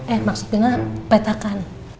eh maksudnya petakan